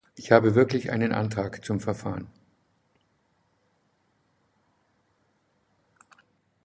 Ich habe wirklich einen Antrag zum Verfahren.